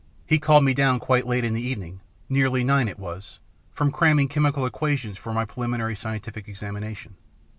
He called me down, quite late in the evening, nearly nine it was, from cramming chemical equations for my Preliminary Scientific examination.